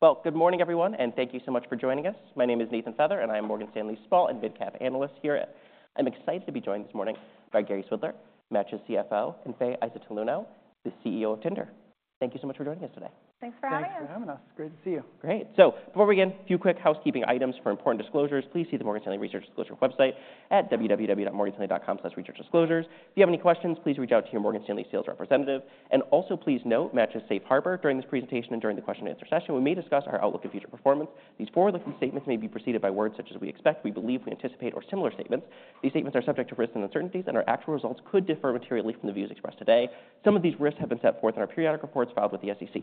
Well, good morning everyone, and thank you so much for joining us. My name is Nathan Feather, and I am Morgan Stanley's Small and Mid-Cap Analyst here at. I'm excited to be joined this morning by Gary Swidler, Match's CFO, and Faye Iosotaluno, the CEO of Tinder. Thank you so much for joining us today. Thanks for having us. Thanks for having us. Great to see you. Great. So before we begin, a few quick housekeeping items for important disclosures. Please see the Morgan Stanley Research Disclosures website at www.morganstanley.com/researchdisclosures. If you have any questions, please reach out to your Morgan Stanley sales representative. And also please note, Match is Safe Harbor. During this presentation and during the question-and-answer session, we may discuss our outlook and future performance. These forward-looking statements may be preceded by words such as "we expect," "we believe," "we anticipate," or similar statements. These statements are subject to risks and uncertainties, and our actual results could differ materially from the views expressed today. Some of these risks have been set forth in our periodic reports filed with the SEC.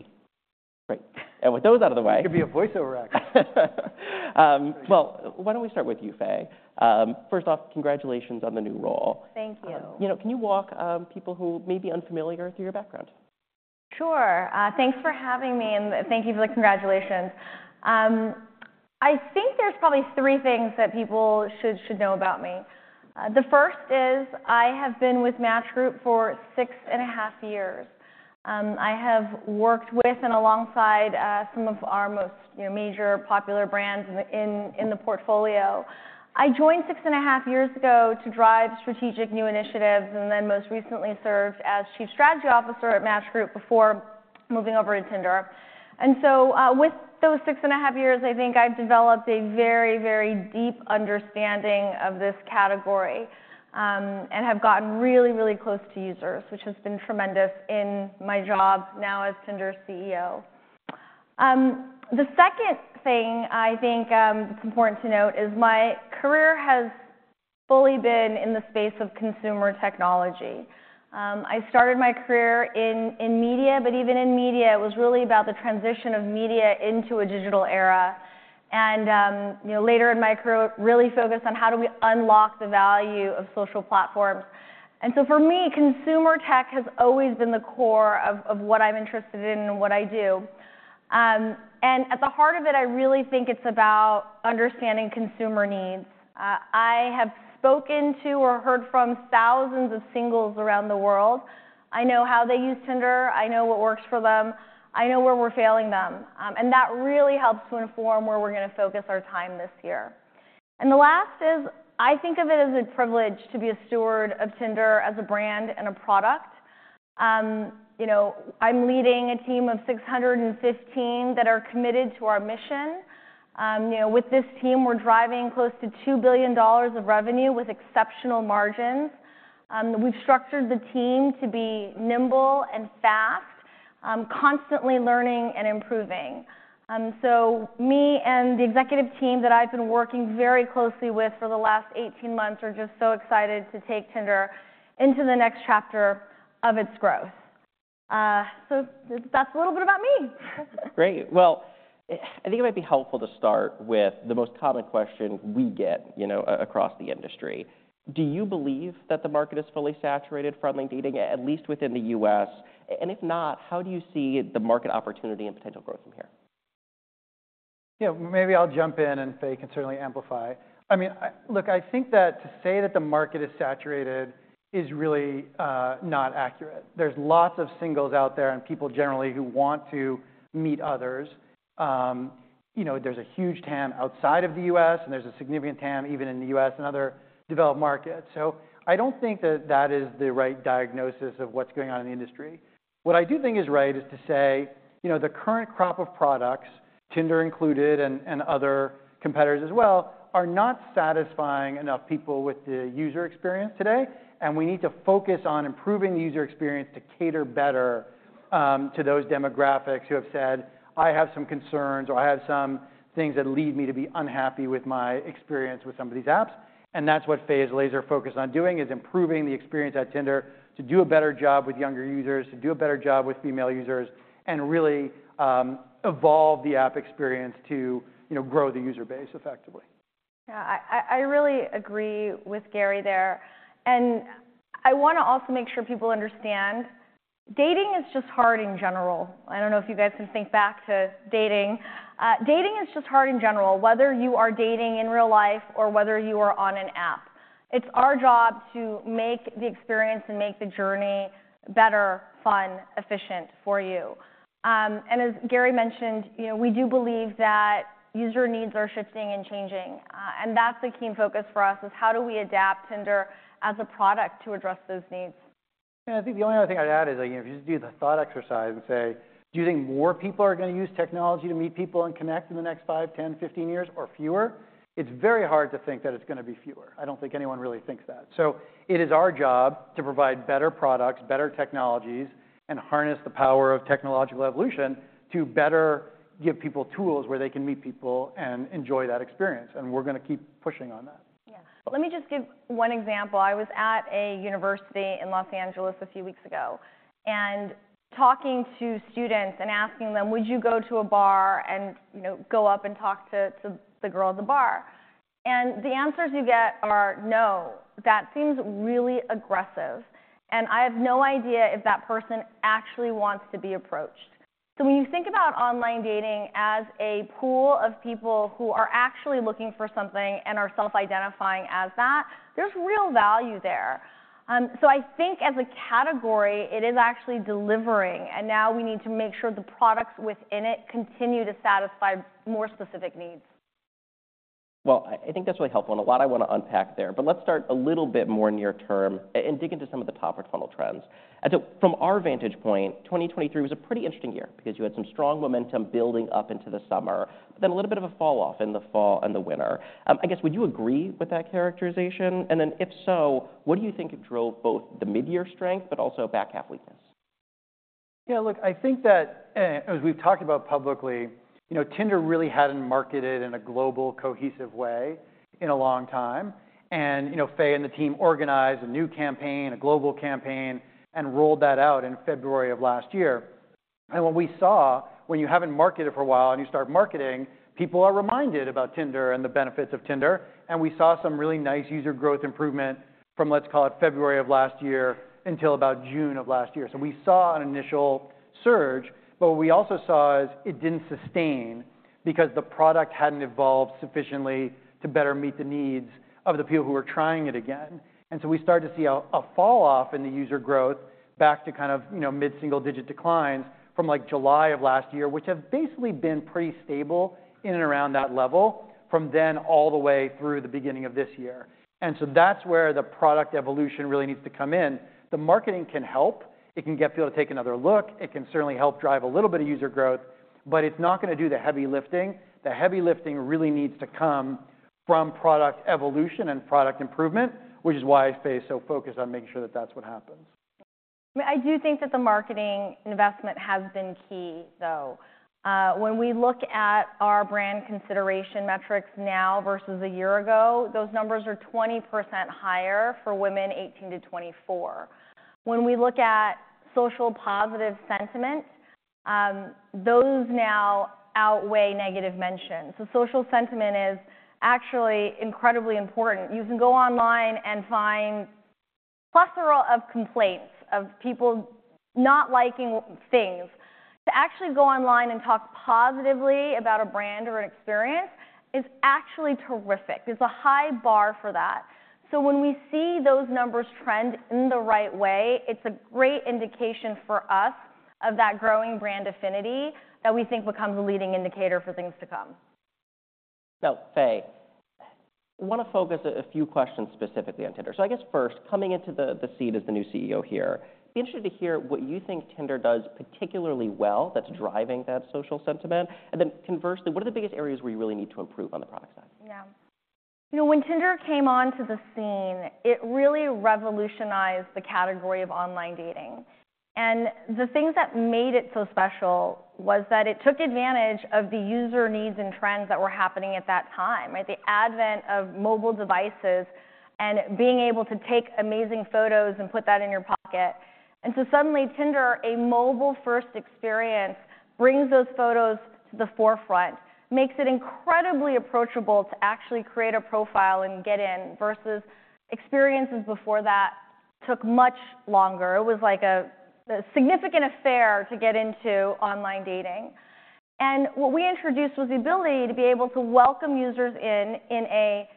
Great. And with those out of the way. You're going to be a voiceover actor. Well, why don't we start with you, Faye? First off, congratulations on the new role. Thank you. You know, can you walk people who may be unfamiliar through your background? Sure. Thanks for having me, and thank you for the congratulations. I think there's probably three things that people should know about me. The first is I have been with Match Group for six and a half years. I have worked with and alongside some of our most major popular brands in the portfolio. I joined six and a half years ago to drive strategic new initiatives and then most recently served as Chief Strategy Officer at Match Group before moving over to Tinder. And so with those six and a half years, I think I've developed a very, very deep understanding of this category and have gotten really, really close to users, which has been tremendous in my job now as Tinder's CEO. The second thing I think that's important to note is my career has fully been in the space of consumer technology. I started my career in media, but even in media, it was really about the transition of media into a digital era. Later in my career, I really focused on how do we unlock the value of social platforms. So for me, consumer tech has always been the core of what I'm interested in and what I do. At the heart of it, I really think it's about understanding consumer needs. I have spoken to or heard from thousands of singles around the world. I know how they use Tinder. I know what works for them. I know where we're failing them. That really helps to inform where we're going to focus our time this year. The last is I think of it as a privilege to be a steward of Tinder as a brand and a product. You know, I'm leading a team of 615 that are committed to our mission. With this team, we're driving close to $2 billion of revenue with exceptional margins. We've structured the team to be nimble and fast, constantly learning and improving. So me and the executive team that I've been working very closely with for the last 18 months are just so excited to take Tinder into the next chapter of its growth. So that's a little bit about me. Great. Well, I think it might be helpful to start with the most common question we get across the industry. Do you believe that the market is fully saturated, friendly dating, at least within the U.S.? If not, how do you see the market opportunity and potential growth from here? Yeah, maybe I'll jump in, and Faye can certainly amplify. I mean, look, I think that to say that the market is saturated is really not accurate. There's lots of singles out there and people generally who want to meet others. You know, there's a huge TAM outside of the U.S., and there's a significant TAM even in the U.S. and other developed markets. So I don't think that that is the right diagnosis of what's going on in the industry. What I do think is right is to say, you know, the current crop of products, Tinder included and other competitors as well, are not satisfying enough people with the user experience today. We need to focus on improving the user experience to cater better to those demographics who have said, "I have some concerns," or "I have some things that lead me to be unhappy with my experience with some of these apps." That's what Faye's laser focus on doing, is improving the experience at Tinder to do a better job with younger users, to do a better job with female users, and really evolve the app experience to grow the user base effectively. Yeah, I really agree with Gary there. And I want to also make sure people understand dating is just hard in general. I don't know if you guys can think back to dating. Dating is just hard in general, whether you are dating in real life or whether you are on an app. It's our job to make the experience and make the journey better, fun, efficient for you. And as Gary mentioned, we do believe that user needs are shifting and changing. And that's a keen focus for us, is how do we adapt Tinder as a product to address those needs? Yeah, I think the only other thing I'd add is, if you just do the thought exercise and say, "Do you think more people are going to use technology to meet people and connect in the next 5, 10, 15 years, or fewer?" It's very hard to think that it's going to be fewer. I don't think anyone really thinks that. So it is our job to provide better products, better technologies, and harness the power of technological evolution to better give people tools where they can meet people and enjoy that experience. We're going to keep pushing on that. Yeah. Let me just give one example. I was at a university in Los Angeles a few weeks ago and talking to students and asking them, "Would you go to a bar and go up and talk to the girl at the bar?" And the answers you get are, "No." That seems really aggressive. And I have no idea if that person actually wants to be approached. So when you think about online dating as a pool of people who are actually looking for something and are self-identifying as that, there's real value there. So I think as a category, it is actually delivering. And now we need to make sure the products within it continue to satisfy more specific needs. Well, I think that's really helpful. And a lot I want to unpack there. But let's start a little bit more near-term and dig into some of the top-of-the-funnel trends. And so from our vantage point, 2023 was a pretty interesting year because you had some strong momentum building up into the summer, but then a little bit of a falloff in the fall and the winter. I guess, would you agree with that characterization? And then if so, what do you think drove both the mid-year strength but also back-half weakness? Yeah, look, I think that as we've talked about publicly, Tinder really hadn't marketed in a global, cohesive way in a long time. And Faye and the team organized a new campaign, a global campaign, and rolled that out in February of last year. And what we saw, when you haven't marketed for a while and you start marketing, people are reminded about Tinder and the benefits of Tinder. And we saw some really nice user growth improvement from, let's call it, February of last year until about June of last year. So we saw an initial surge. But what we also saw is it didn't sustain because the product hadn't evolved sufficiently to better meet the needs of the people who were trying it again. We started to see a falloff in the user growth back to kind of mid-single-digit declines from July of last year, which have basically been pretty stable in and around that level from then all the way through the beginning of this year. That's where the product evolution really needs to come in. The marketing can help. It can get people to take another look. It can certainly help drive a little bit of user growth. But it's not going to do the heavy lifting. The heavy lifting really needs to come from product evolution and product improvement, which is why Faye is so focused on making sure that that's what happens. I mean, I do think that the marketing investment has been key, though. When we look at our brand consideration metrics now versus a year ago, those numbers are 20% higher for women 18 to 24. When we look at social positive sentiment, those now outweigh negative mentions. So social sentiment is actually incredibly important. You can go online and find a plethora of complaints of people not liking things. To actually go online and talk positively about a brand or an experience is actually terrific. There's a high bar for that. So when we see those numbers trend in the right way, it's a great indication for us of that growing brand affinity that we think becomes a leading indicator for things to come. Now, Faye, I want to focus a few questions specifically on Tinder. So I guess first, coming into the seat as the new CEO here, I'd be interested to hear what you think Tinder does particularly well that's driving that social sentiment. And then conversely, what are the biggest areas where you really need to improve on the product side? Yeah. You know, when Tinder came onto the scene, it really revolutionized the category of online dating. The things that made it so special was that it took advantage of the user needs and trends that were happening at that time, right? The advent of mobile devices and being able to take amazing photos and put that in your pocket. So suddenly, Tinder, a mobile-first experience, brings those photos to the forefront, makes it incredibly approachable to actually create a profile and get in versus experiences before that took much longer. It was like a significant affair to get into online dating. What we introduced was the ability to be able to welcome users in in a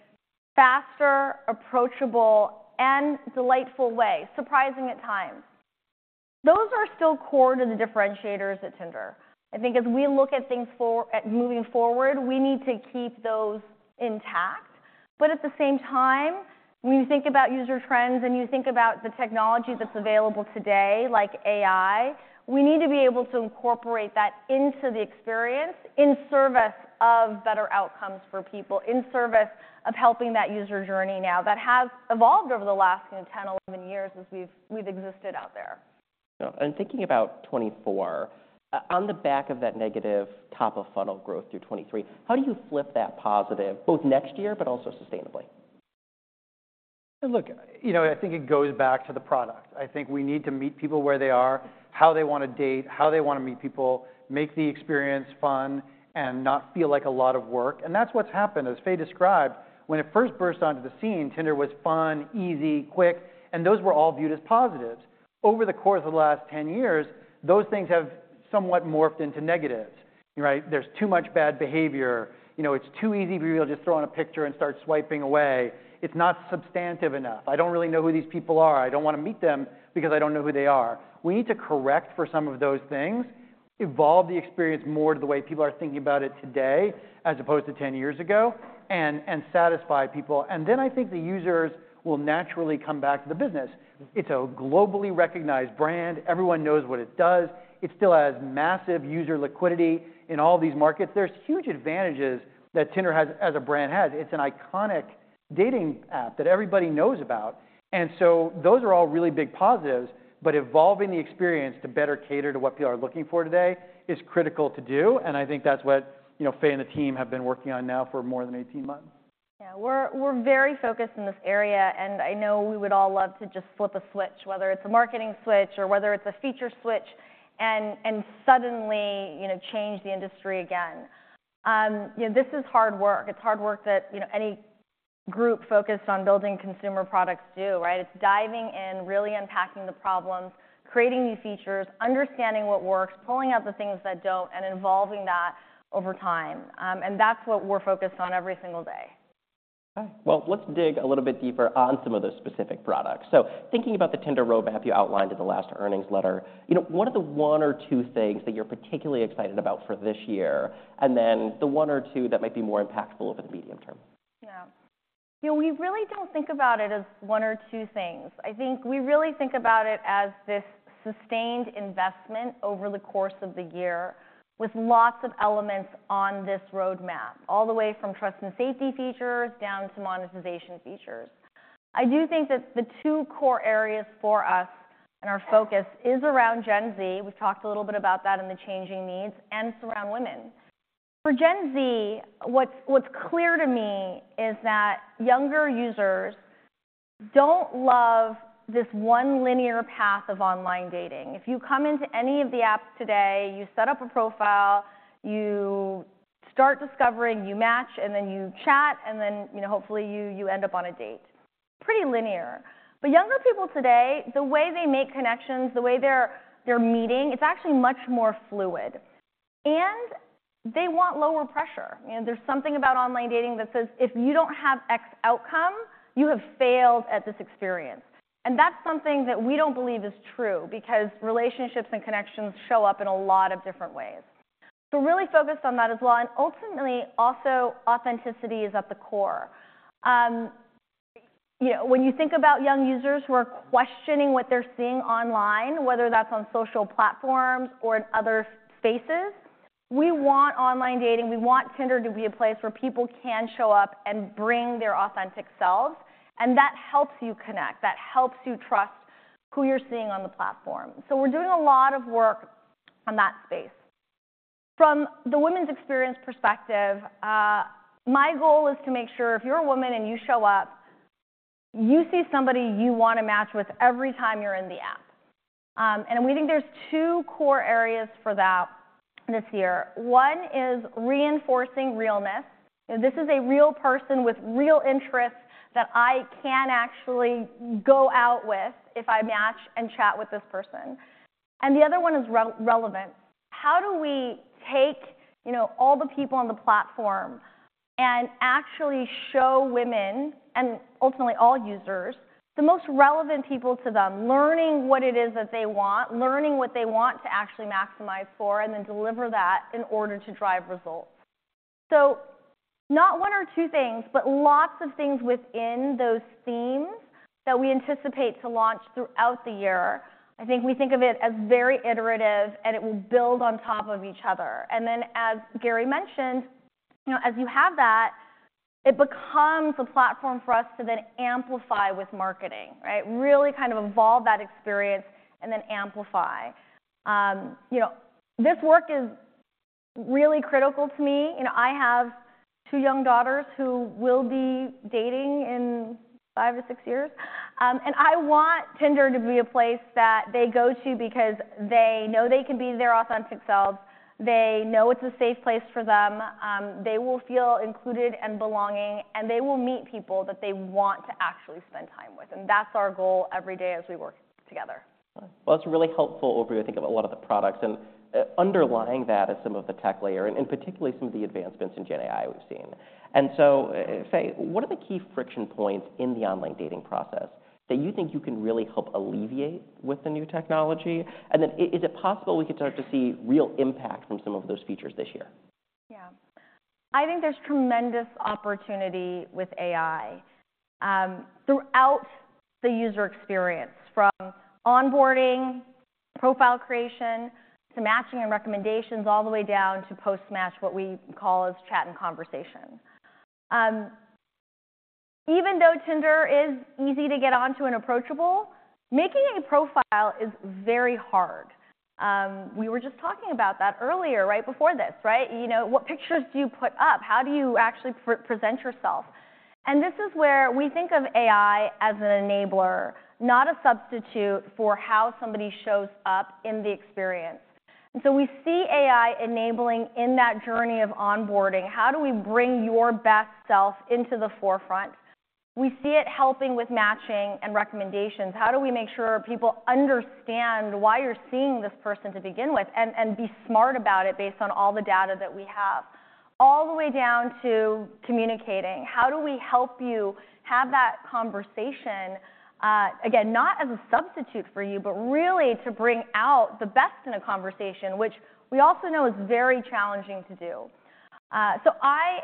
faster, approachable, and delightful way, surprising at times. Those are still core to the differentiators at Tinder. I think as we look at things moving forward, we need to keep those intact. But at the same time, when you think about user trends and you think about the technology that's available today, like AI, we need to be able to incorporate that into the experience in service of better outcomes for people, in service of helping that user journey now that has evolved over the last 10, 11 years as we've existed out there. Yeah. Thinking about 2024, on the back of that negative top-of-funnel growth through 2023, how do you flip that positive both next year but also sustainably? Yeah, look, you know, I think it goes back to the product. I think we need to meet people where they are, how they want to date, how they want to meet people, make the experience fun, and not feel like a lot of work. And that's what's happened, as Faye described. When it first burst onto the scene, Tinder was fun, easy, quick, and those were all viewed as positives. Over the course of the last 10 years, those things have somewhat morphed into negatives, right? There's too much bad behavior. You know, it's too easy for people to just throw in a picture and start swiping away. It's not substantive enough. I don't really know who these people are. I don't want to meet them because I don't know who they are. We need to correct for some of those things, evolve the experience more to the way people are thinking about it today as opposed to 10 years ago, and satisfy people. And then I think the users will naturally come back to the business. It's a globally recognized brand. Everyone knows what it does. It still has massive user liquidity in all of these markets. There's huge advantages that Tinder has as a brand has. It's an iconic dating app that everybody knows about. And so those are all really big positives. But evolving the experience to better cater to what people are looking for today is critical to do. And I think that's what Faye and the team have been working on now for more than 18 months. Yeah, we're very focused in this area. I know we would all love to just flip a switch, whether it's a marketing switch or whether it's a feature switch, and suddenly change the industry again. This is hard work. It's hard work that any group focused on building consumer products do, right? It's diving in, really unpacking the problems, creating new features, understanding what works, pulling out the things that don't, and evolving that over time. That's what we're focused on every single day. All right. Well, let's dig a little bit deeper on some of those specific products. So thinking about the Tinder roadmap you outlined in the last earnings letter, what are the one or two things that you're particularly excited about for this year and then the one or two that might be more impactful over the medium term? Yeah. You know, we really don't think about it as one or two things. I think we really think about it as this sustained investment over the course of the year with lots of elements on this roadmap, all the way from trust and safety features down to monetization features. I do think that the two core areas for us and our focus is around Gen Z. We've talked a little bit about that and the changing needs, and it's around women. For Gen Z, what's clear to me is that younger users don't love this one linear path of online dating. If you come into any of the apps today, you set up a profile, you start discovering, you match, and then you chat, and then hopefully you end up on a date. Pretty linear. But younger people today, the way they make connections, the way they're meeting, it's actually much more fluid. And they want lower pressure. There's something about online dating that says, if you don't have X outcome, you have failed at this experience. And that's something that we don't believe is true because relationships and connections show up in a lot of different ways. So really focused on that as well. And ultimately, also, authenticity is at the core. You know, when you think about young users who are questioning what they're seeing online, whether that's on social platforms or in other spaces, we want online dating. We want Tinder to be a place where people can show up and bring their authentic selves. And that helps you connect. That helps you trust who you're seeing on the platform. So we're doing a lot of work on that space. From the women's experience perspective, my goal is to make sure if you're a woman and you show up, you see somebody you want to match with every time you're in the app. And we think there's two core areas for that this year. One is reinforcing realness. This is a real person with real interests that I can actually go out with if I match and chat with this person. And the other one is relevance. How do we take all the people on the platform and actually show women and ultimately all users the most relevant people to them, learning what it is that they want, learning what they want to actually maximize for, and then deliver that in order to drive results? So not one or two things, but lots of things within those themes that we anticipate to launch throughout the year. I think we think of it as very iterative, and it will build on top of each other. Then as Gary mentioned, as you have that, it becomes a platform for us to then amplify with marketing, right? Really kind of evolve that experience and then amplify. This work is really critical to me. I have 2 young daughters who will be dating in 5-6 years. I want Tinder to be a place that they go to because they know they can be their authentic selves. They know it's a safe place for them. They will feel included and belonging. They will meet people that they want to actually spend time with. That's our goal every day as we work together. Well, that's really helpful overview, I think, of a lot of the products. And underlying that is some of the tech layer and particularly some of the advancements in Gen AI we've seen. And so Faye, what are the key friction points in the online dating process that you think you can really help alleviate with the new technology? And then is it possible we could start to see real impact from some of those features this year? Yeah. I think there's tremendous opportunity with AI throughout the user experience, from onboarding, profile creation, to matching and recommendations, all the way down to post-match, what we call as chat and conversation. Even though Tinder is easy to get onto and approachable, making a profile is very hard. We were just talking about that earlier, right before this, right? What pictures do you put up? How do you actually present yourself? And this is where we think of AI as an enabler, not a substitute for how somebody shows up in the experience. And so we see AI enabling in that journey of onboarding. How do we bring your best self into the forefront? We see it helping with matching and recommendations. How do we make sure people understand why you're seeing this person to begin with and be smart about it based on all the data that we have? All the way down to communicating. How do we help you have that conversation, again, not as a substitute for you, but really to bring out the best in a conversation, which we also know is very challenging to do? So I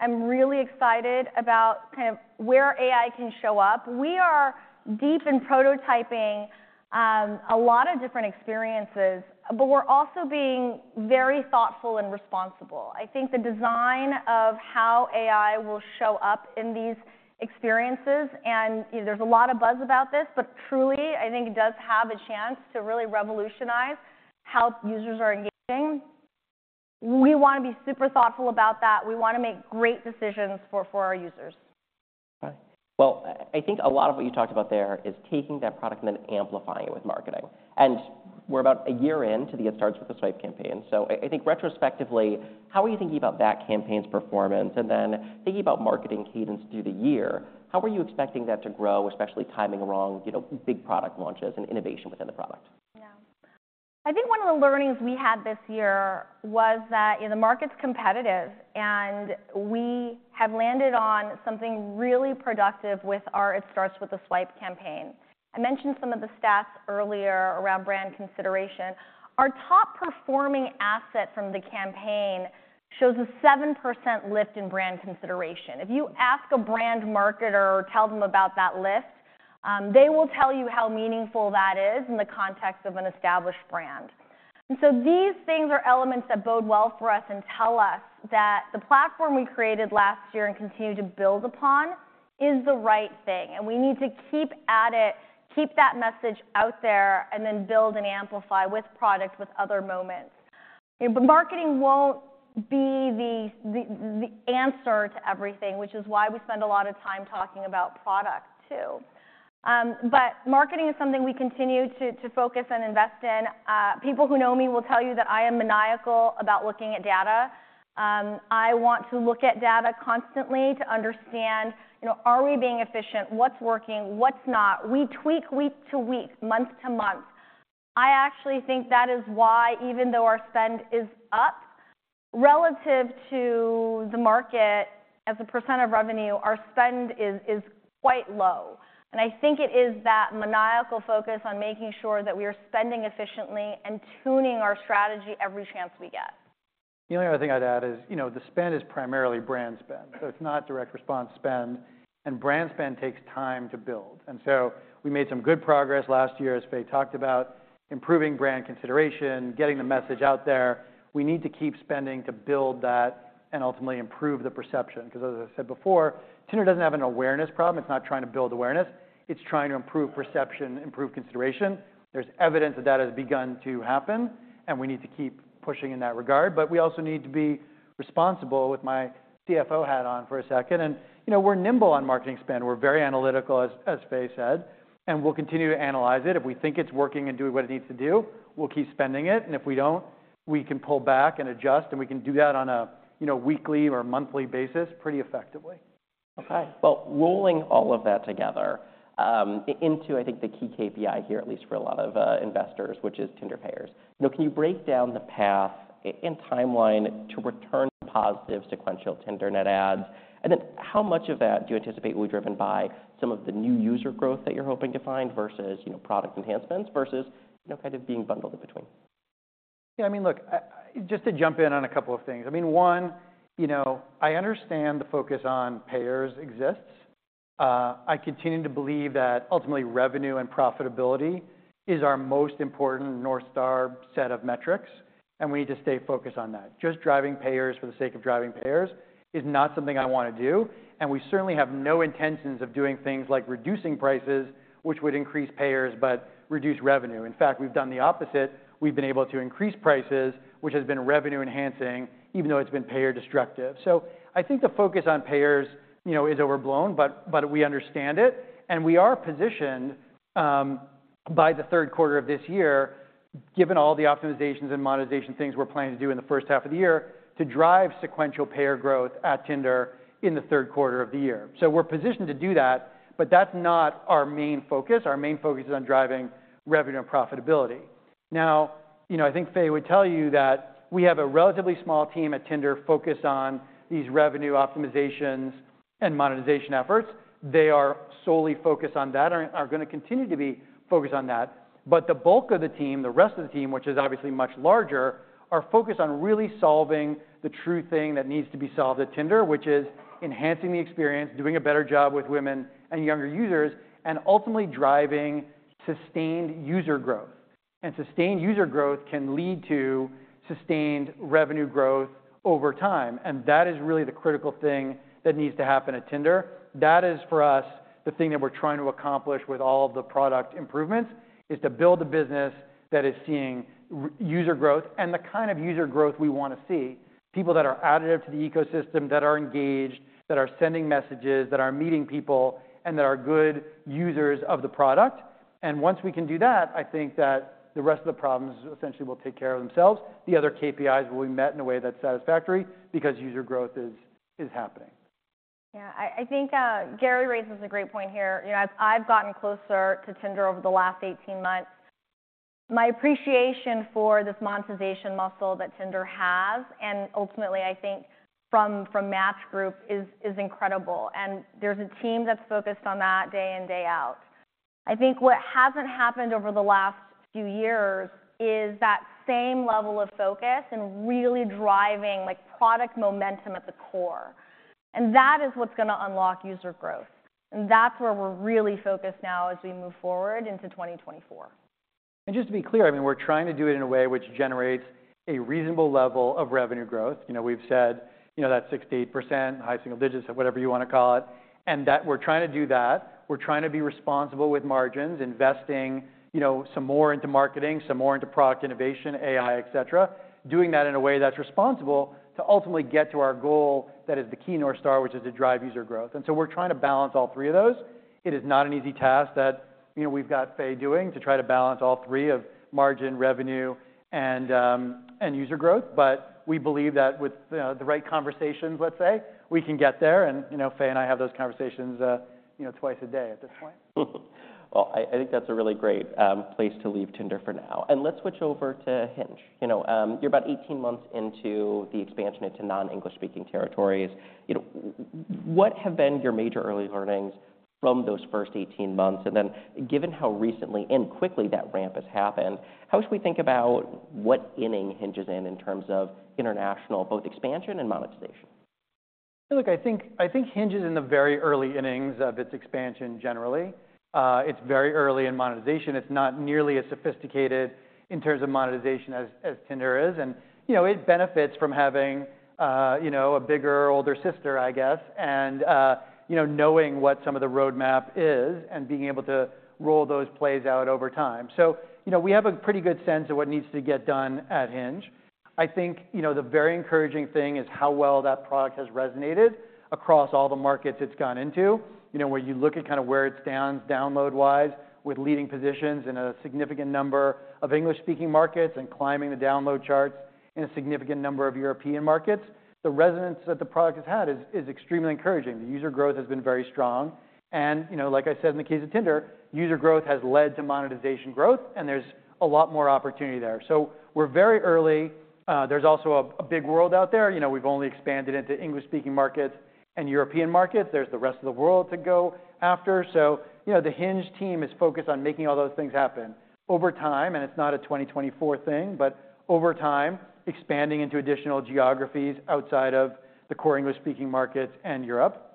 am really excited about kind of where AI can show up. We are deep in prototyping a lot of different experiences, but we're also being very thoughtful and responsible. I think the design of how AI will show up in these experiences and there's a lot of buzz about this, but truly, I think it does have a chance to really revolutionize how users are engaging. We want to be super thoughtful about that. We want to make great decisions for our users. All right. Well, I think a lot of what you talked about there is taking that product and then amplifying it with marketing. We're about a year into the "It Starts With A Swipe" campaign. I think retrospectively, how are you thinking about that campaign's performance? Then thinking about marketing cadence through the year, how are you expecting that to grow, especially timing along big product launches and innovation within the product? Yeah. I think one of the learnings we had this year was that the market's competitive. We have landed on something really productive with our "It Starts With A Swipe" campaign. I mentioned some of the stats earlier around brand consideration. Our top-performing asset from the campaign shows a 7% lift in brand consideration. If you ask a brand marketer or tell them about that lift, they will tell you how meaningful that is in the context of an established brand. So these things are elements that bode well for us and tell us that the platform we created last year and continue to build upon is the right thing. We need to keep at it, keep that message out there, and then build and amplify with product, with other moments. Marketing won't be the answer to everything, which is why we spend a lot of time talking about product too. But marketing is something we continue to focus and invest in. People who know me will tell you that I am maniacal about looking at data. I want to look at data constantly to understand, are we being efficient? What's working? What's not? We tweak week to week, month to month. I actually think that is why, even though our spend is up relative to the market as a % of revenue, our spend is quite low. I think it is that maniacal focus on making sure that we are spending efficiently and tuning our strategy every chance we get. The only other thing I'd add is the spend is primarily brand spend. It's not direct response spend. Brand spend takes time to build. We made some good progress last year, as Faye talked about, improving brand consideration, getting the message out there. We need to keep spending to build that and ultimately improve the perception. Because as I said before, Tinder doesn't have an awareness problem. It's not trying to build awareness. It's trying to improve perception, improve consideration. There's evidence that that has begun to happen. We need to keep pushing in that regard. But we also need to be responsible, with my CFO hat on, for a second. We're nimble on marketing spend. We're very analytical, as Faye said. We'll continue to analyze it. If we think it's working and doing what it needs to do, we'll keep spending it. If we don't, we can pull back and adjust. We can do that on a weekly or monthly basis pretty effectively. All right. Well, rolling all of that together into, I think, the key KPI here, at least for a lot of investors, which is Tinder payers, can you break down the path and timeline to return positive sequential Tinder net adds? And then how much of that do you anticipate will be driven by some of the new user growth that you're hoping to find versus product enhancements versus kind of being bundled in between? Yeah. I mean, look, just to jump in on a couple of things. I mean, one, I understand the focus on payers exists. I continue to believe that ultimately revenue and profitability is our most important North Star set of metrics. And we need to stay focused on that. Just driving payers for the sake of driving payers is not something I want to do. And we certainly have no intentions of doing things like reducing prices, which would increase payers but reduce revenue. In fact, we've done the opposite. We've been able to increase prices, which has been revenue-enhancing, even though it's been payer destructive. So I think the focus on payers is overblown, but we understand it. We are positioned by the third quarter of this year, given all the optimizations and monetization things we're planning to do in the first half of the year, to drive sequential payer growth at Tinder in the third quarter of the year. We're positioned to do that. That's not our main focus. Our main focus is on driving revenue and profitability. Now, I think Faye would tell you that we have a relatively small team at Tinder focused on these revenue optimizations and monetization efforts. They are solely focused on that and are going to continue to be focused on that. But the bulk of the team, the rest of the team, which is obviously much larger, are focused on really solving the true thing that needs to be solved at Tinder, which is enhancing the experience, doing a better job with women and younger users, and ultimately driving sustained user growth. Sustained user growth can lead to sustained revenue growth over time. That is really the critical thing that needs to happen at Tinder. That is, for us, the thing that we're trying to accomplish with all of the product improvements is to build a business that is seeing user growth and the kind of user growth we want to see: people that are additive to the ecosystem, that are engaged, that are sending messages, that are meeting people, and that are good users of the product. Once we can do that, I think that the rest of the problems essentially will take care of themselves. The other KPIs will be met in a way that's satisfactory because user growth is happening. Yeah. I think Gary raises a great point here. I've gotten closer to Tinder over the last 18 months. My appreciation for this monetization muscle that Tinder has and ultimately, I think, from Match Group is incredible. There's a team that's focused on that day in, day out. I think what hasn't happened over the last few years is that same level of focus and really driving product momentum at the core. That is what's going to unlock user growth. That's where we're really focused now as we move forward into 2024. And just to be clear, I mean, we're trying to do it in a way which generates a reasonable level of revenue growth. We've said that 6%-8%, high single digits, whatever you want to call it. And we're trying to do that. We're trying to be responsible with margins, investing some more into marketing, some more into product innovation, AI, et cetera, doing that in a way that's responsible to ultimately get to our goal that is the key North Star, which is to drive user growth. And so we're trying to balance all three of those. It is not an easy task that we've got Faye doing to try to balance all three of margin, revenue, and user growth. But we believe that with the right conversations, let's say, we can get there. And Faye and I have those conversations twice a day at this point. Well, I think that's a really great place to leave Tinder for now. Let's switch over to Hinge. You're about 18 months into the expansion into non-English speaking territories. What have been your major early learnings from those first 18 months? And then given how recently and quickly that ramp has happened, how should we think about what inning Hinge is in in terms of international, both expansion and monetization? Yeah. Look, I think Hinge is in the very early innings of its expansion generally. It's very early in monetization. It's not nearly as sophisticated in terms of monetization as Tinder is. And it benefits from having a bigger, older sister, I guess, and knowing what some of the roadmap is and being able to roll those plays out over time. So we have a pretty good sense of what needs to get done at Hinge. I think the very encouraging thing is how well that product has resonated across all the markets it's gone into, where you look at kind of where it stands download-wise with leading positions in a significant number of English-speaking markets and climbing the download charts in a significant number of European markets. The resonance that the product has had is extremely encouraging. The user growth has been very strong. And like I said, in the case of Tinder, user growth has led to monetization growth. And there's a lot more opportunity there. So we're very early. There's also a big world out there. We've only expanded into English-speaking markets and European markets. There's the rest of the world to go after. So the Hinge team is focused on making all those things happen over time. And it's not a 2024 thing, but over time, expanding into additional geographies outside of the core English-speaking markets and Europe,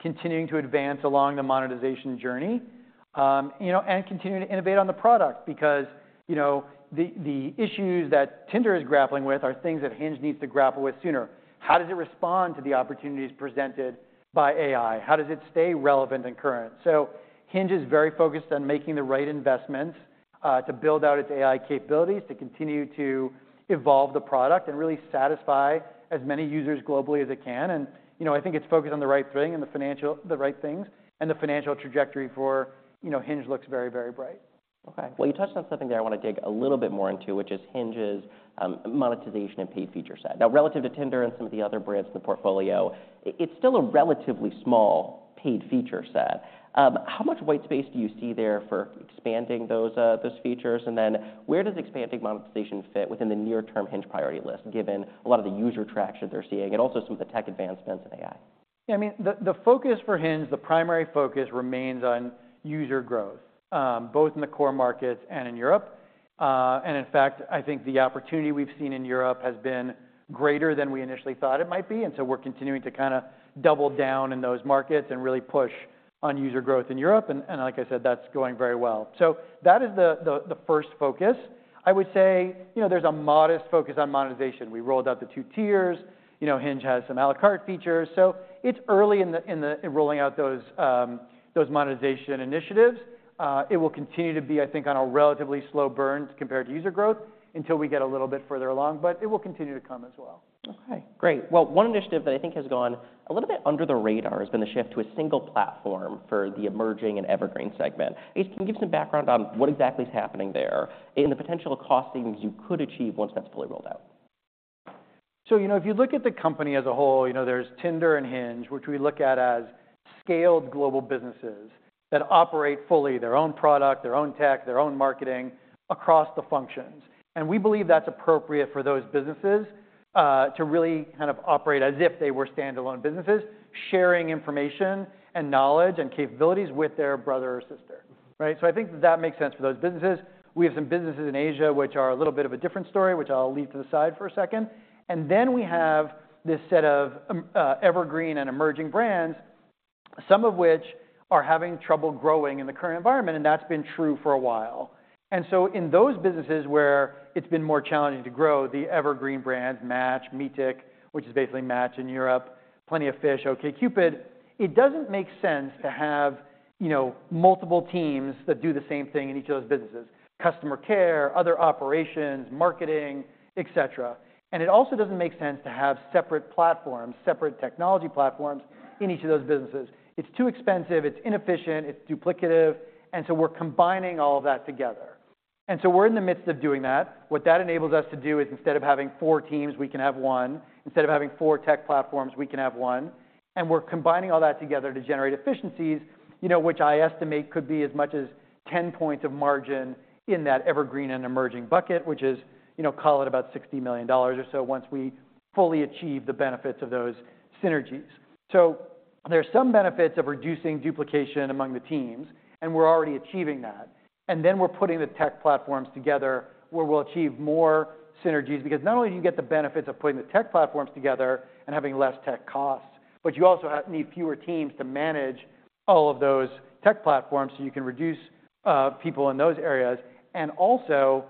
continuing to advance along the monetization journey, and continuing to innovate on the product because the issues that Tinder is grappling with are things that Hinge needs to grapple with sooner. How does it respond to the opportunities presented by AI? How does it stay relevant and current? Hinge is very focused on making the right investments to build out its AI capabilities, to continue to evolve the product, and really satisfy as many users globally as it can. I think it's focused on the right thing and the right things. The financial trajectory for Hinge looks very, very bright. All right. Well, you touched on something there I want to dig a little bit more into, which is Hinge's monetization and paid feature set. Now, relative to Tinder and some of the other brands in the portfolio, it's still a relatively small paid feature set. How much white space do you see there for expanding those features? And then where does expanding monetization fit within the near-term Hinge priority list, given a lot of the user traction they're seeing and also some of the tech advancements in AI? Yeah. I mean, the focus for Hinge, the primary focus, remains on user growth, both in the core markets and in Europe. And in fact, I think the opportunity we've seen in Europe has been greater than we initially thought it might be. And so we're continuing to kind of double down in those markets and really push on user growth in Europe. And like I said, that's going very well. So that is the first focus. I would say there's a modest focus on monetization. We rolled out the two tiers. Hinge has some à la carte features. So it's early in rolling out those monetization initiatives. It will continue to be, I think, on a relatively slow burn compared to user growth until we get a little bit further along. But it will continue to come as well. All right. Great. Well, one initiative that I think has gone a little bit under the radar has been the shift to a single platform for the emerging and evergreen segment. I guess can you give some background on what exactly is happening there and the potential cost savings you could achieve once that's fully rolled out? So if you look at the company as a whole, there's Tinder and Hinge, which we look at as scaled global businesses that operate fully their own product, their own tech, their own marketing across the functions. And we believe that's appropriate for those businesses to really kind of operate as if they were standalone businesses, sharing information and knowledge and capabilities with their brother or sister. So I think that that makes sense for those businesses. We have some businesses in Asia, which are a little bit of a different story, which I'll leave to the side for a second. And then we have this set of evergreen and emerging brands, some of which are having trouble growing in the current environment. And that's been true for a while. In those businesses where it's been more challenging to grow, the evergreen brands Match, Meetic, which is basically Match in Europe, Plenty of Fish, OkCupid, it doesn't make sense to have multiple teams that do the same thing in each of those businesses: customer care, other operations, marketing, et cetera. It also doesn't make sense to have separate platforms, separate technology platforms in each of those businesses. It's too expensive. It's inefficient. It's duplicative. So we're combining all of that together. We're in the midst of doing that. What that enables us to do is, instead of having four teams, we can have one. Instead of having four tech platforms, we can have one. We're combining all that together to generate efficiencies, which I estimate could be as much as 10 points of margin in that evergreen and emerging bucket, which is, call it, about $60 million or so once we fully achieve the benefits of those synergies. There are some benefits of reducing duplication among the teams. We're already achieving that. Then we're putting the tech platforms together where we'll achieve more synergies because not only do you get the benefits of putting the tech platforms together and having less tech costs, but you also need fewer teams to manage all of those tech platforms so you can reduce people in those areas. And also,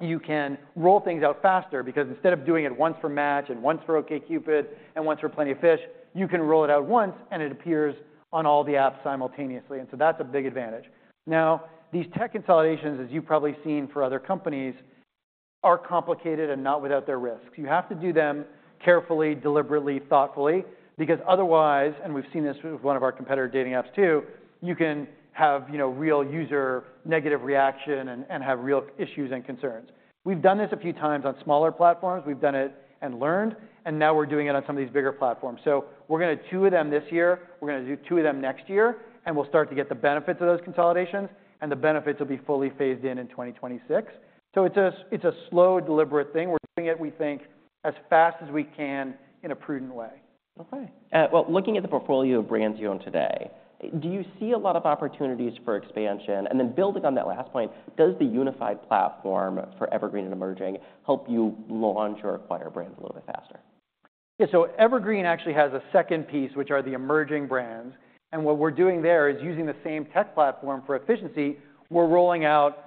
you can roll things out faster because instead of doing it once for Match and once for OkCupid and once for Plenty of Fish, you can roll it out once, and it appears on all the apps simultaneously. And so that's a big advantage. Now, these tech consolidations, as you've probably seen for other companies, are complicated and not without their risks. You have to do them carefully, deliberately, thoughtfully because otherwise, and we've seen this with one of our competitor dating apps too, you can have real user negative reaction and have real issues and concerns. We've done this a few times on smaller platforms. We've done it and learned. And now we're doing it on some of these bigger platforms. So we're going to do two of them this year. We're going to do two of them next year. We'll start to get the benefits of those consolidations. The benefits will be fully phased in in 2026. It's a slow, deliberate thing. We're doing it, we think, as fast as we can in a prudent way. All right. Well, looking at the portfolio of brands you own today, do you see a lot of opportunities for expansion? And then building on that last point, does the unified platform for evergreen and emerging help you launch or acquire brands a little bit faster? Yeah. So evergreen actually has a second piece, which are the emerging brands. And what we're doing there is, using the same tech platform for efficiency, we're rolling out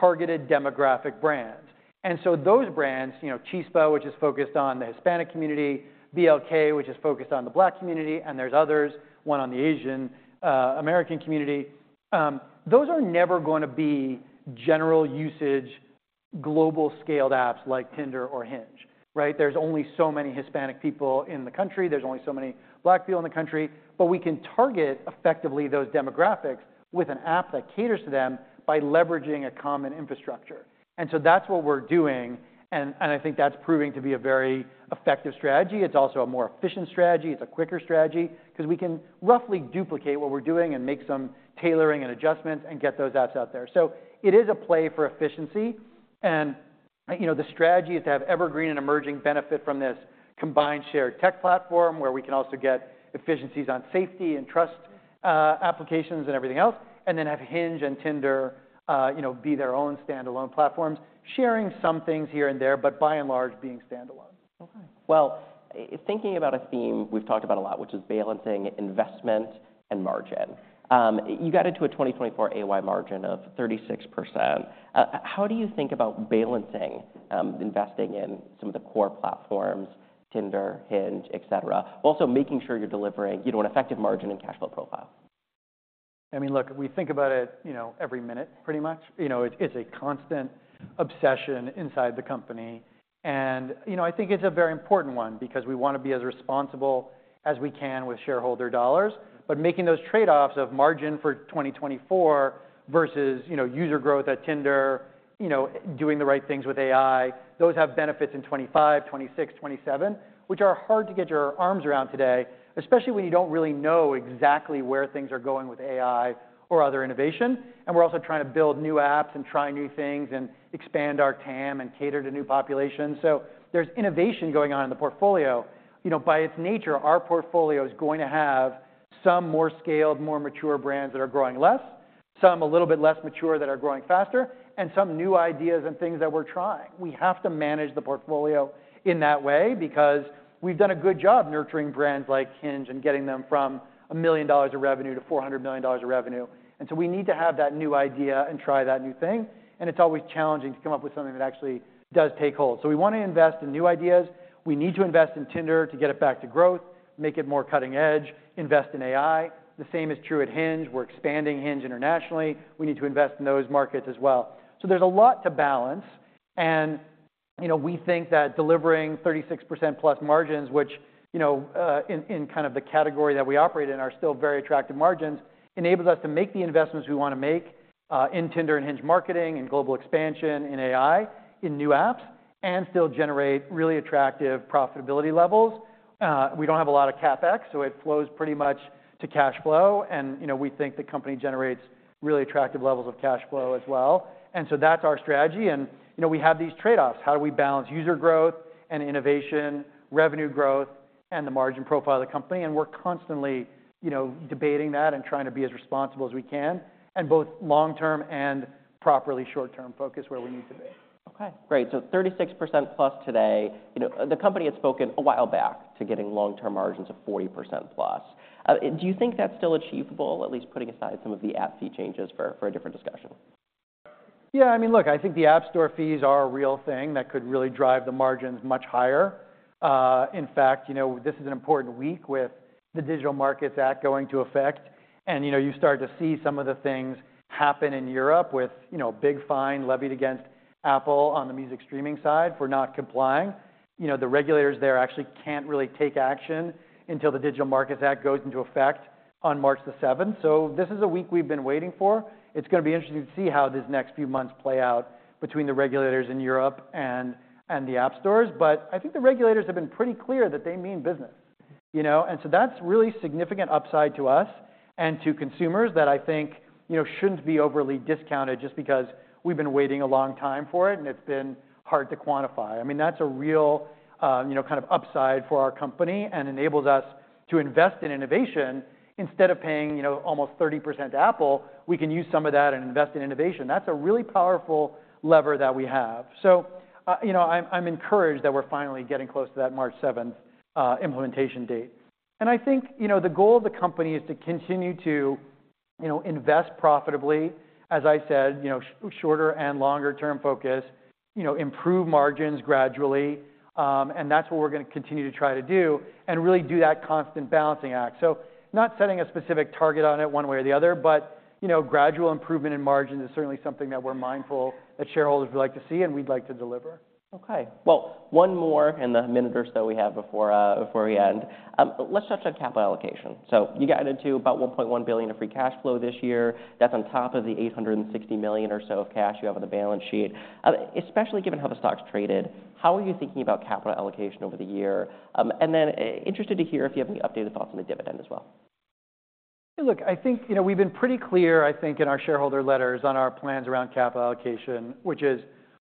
targeted demographic brands. And so those brands—Chispa, which is focused on the Hispanic community, BLK, which is focused on the Black community, and there's others, one on the Asian American community—those are never going to be general usage, global-scaled apps like Tinder or Hinge. There's only so many Hispanic people in the country. There's only so many Black people in the country. But we can target effectively those demographics with an app that caters to them by leveraging a common infrastructure. And so that's what we're doing. And I think that's proving to be a very effective strategy. It's also a more efficient strategy. It's a quicker strategy because we can roughly duplicate what we're doing and make some tailoring and adjustments and get those apps out there. It is a play for efficiency. The strategy is to have evergreen and emerging benefit from this combined shared tech platform where we can also get efficiencies on safety and trust applications and everything else, and then have Hinge and Tinder be their own standalone platforms, sharing some things here and there, but by and large, being standalone. All right. Well, thinking about a theme we've talked about a lot, which is balancing investment and margin, you got into a 2024 EBITDA margin of 36%. How do you think about balancing investing in some of the core platforms: Tinder, Hinge, et cetera, but also making sure you're delivering an effective margin and cash flow profile? I mean, look, we think about it every minute, pretty much. It's a constant obsession inside the company. And I think it's a very important one because we want to be as responsible as we can with shareholder dollars. But making those trade-offs of margin for 2024 versus user growth at Tinder, doing the right things with AI, those have benefits in 2025, 2026, 2027, which are hard to get your arms around today, especially when you don't really know exactly where things are going with AI or other innovation. And we're also trying to build new apps and try new things and expand our TAM and cater to new populations. So there's innovation going on in the portfolio. By its nature, our portfolio is going to have some more scaled, more mature brands that are growing less, some a little bit less mature that are growing faster, and some new ideas and things that we're trying. We have to manage the portfolio in that way because we've done a good job nurturing brands like Hinge and getting them from $1 million of revenue to $400 million of revenue. And so we need to have that new idea and try that new thing. And it's always challenging to come up with something that actually does take hold. So we want to invest in new ideas. We need to invest in Tinder to get it back to growth, make it more cutting edge, invest in AI. The same is true at Hinge. We're expanding Hinge internationally. We need to invest in those markets as well. So there's a lot to balance. And we think that delivering 36% plus margins, which in kind of the category that we operate in are still very attractive margins, enables us to make the investments we want to make in Tinder and Hinge marketing, in global expansion, in AI, in new apps, and still generate really attractive profitability levels. We don't have a lot of CapEx, so it flows pretty much to cash flow. And we think the company generates really attractive levels of cash flow as well. And so that's our strategy. And we have these trade-offs. How do we balance user growth and innovation, revenue growth, and the margin profile of the company? And we're constantly debating that and trying to be as responsible as we can, and both long-term and properly short-term focus where we need to be. All right. Great. So 36% plus today. The company had spoken a while back to getting long-term margins of 40% plus. Do you think that's still achievable, at least putting aside some of the app fee changes for a different discussion? Yeah. I mean, look, I think the App Store fees are a real thing that could really drive the margins much higher. In fact, this is an important week with the Digital Markets Act going into effect. You start to see some of the things happen in Europe with a big fine levied against Apple on the music streaming side for not complying. The regulators there actually can't really take action until the Digital Markets Act goes into effect on March 7th. So this is a week we've been waiting for. It's going to be interesting to see how these next few months play out between the regulators in Europe and the App Stores. But I think the regulators have been pretty clear that they mean business. So that's really significant upside to us and to consumers that I think shouldn't be overly discounted just because we've been waiting a long time for it, and it's been hard to quantify. I mean, that's a real kind of upside for our company and enables us to invest in innovation. Instead of paying almost 30% to Apple, we can use some of that and invest in innovation. That's a really powerful lever that we have. I'm encouraged that we're finally getting close to that March 7th implementation date. I think the goal of the company is to continue to invest profitably, as I said, shorter and longer-term focus, improve margins gradually. That's what we're going to continue to try to do and really do that constant balancing act. Not setting a specific target on it one way or the other, but gradual improvement in margins is certainly something that we're mindful that shareholders would like to see, and we'd like to deliver. All right. Well, one more in the minutes that we have before we end. Let's touch on capital allocation. So you got into about $1.1 billion of free cash flow this year. That's on top of the $860 million or so of cash you have on the balance sheet, especially given how the stock's traded. How are you thinking about capital allocation over the year? And then interested to hear if you have any updated thoughts on the dividend as well. Hey, look, I think we've been pretty clear, I think, in our shareholder letters on our plans around capital allocation, which is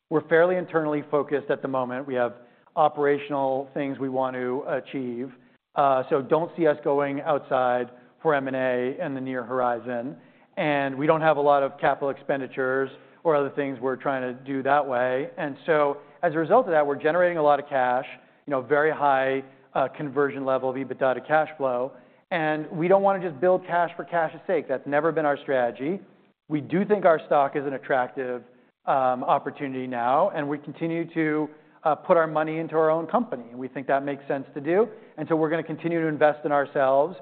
we're fairly internally focused at the moment. We have operational things we want to achieve. So don't see us going outside for M&A in the near horizon. And we don't have a lot of capital expenditures or other things we're trying to do that way. And so as a result of that, we're generating a lot of cash, very high conversion level of EBITDA to cash flow. And we don't want to just build cash for cash's sake. That's never been our strategy. We do think our stock is an attractive opportunity now. And we continue to put our money into our own company. And we think that makes sense to do. And so we're going to continue to invest in ourselves.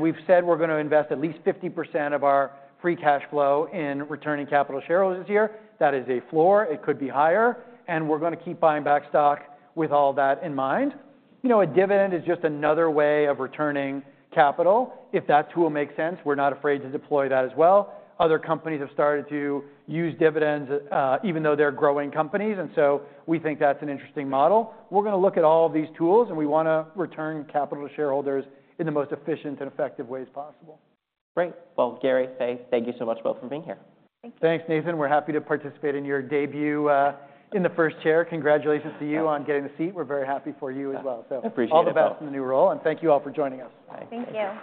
We've said we're going to invest at least 50% of our free cash flow in returning capital shareholders this year. That is a floor. It could be higher. And we're going to keep buying back stock with all that in mind. A dividend is just another way of returning capital. If that tool makes sense, we're not afraid to deploy that as well. Other companies have started to use dividends even though they're growing companies. And so we think that's an interesting model. We're going to look at all of these tools. And we want to return capital to shareholders in the most efficient and effective ways possible. Great. Well, Gary, Faye, thank you so much, both, for being here. Thank you. Thanks, Nathan. We're happy to participate in your debut in the first chair. Congratulations to you on getting the seat. We're very happy for you as well. I appreciate it. All the best in the new role. Thank you all for joining us. Thank you.